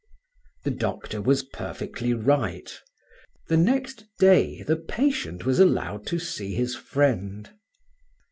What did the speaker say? The doctor was perfectly right. The next day the patient was allowed to see his friend.